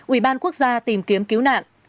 ubqt tìm kiếm cứu nạn